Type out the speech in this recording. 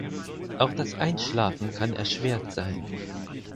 Auch das Einschlafen kann erschwert sein.